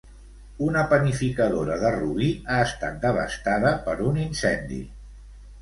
Una panificadora de Rubí ha estat devastada per un incendi.